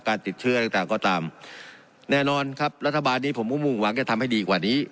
ติดเชื้อต่างต่างก็ตามแน่นอนครับรัฐบาลนี้ผมก็มุ่งหวังจะทำให้ดีกว่านี้